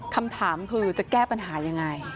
คำถามคือจะแก้ปัญหายังไง